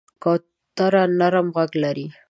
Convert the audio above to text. کوتره نرم غږ لري.